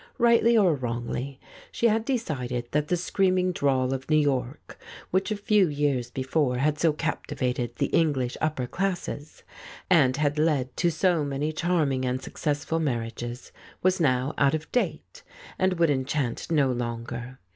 Rightly or wrongly, she had decided that the screaming drawl of New York, which a few years before had so captivated the English upper classes, and had led to so many charming and successful mar riages, was now out of date, and would enchant no longer.